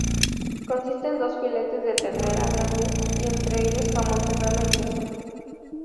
Consiste en dos filetes de ternera grandes y entre ellos jamón serrano y queso.